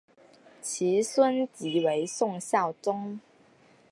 其孙即为宋孝宗。